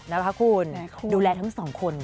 นะคะคุณดูแลทั้งสองคน